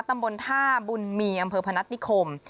ตำบลท่าบุญมีอำเภอพนัฐนิคม